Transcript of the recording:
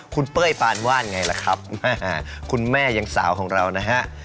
คุณเป้ยปานว่านไงล่ะครับคุณแม่ยังสาวของเรานะฮะ